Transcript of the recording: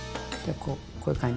こういう感じ。